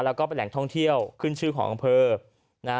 แล้วก็เป็นแหล่งท่องเที่ยวขึ้นชื่อของอำเภอนะฮะ